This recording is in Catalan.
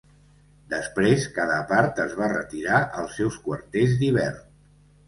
Després cada part es va retirar als seus quarters d'hivern.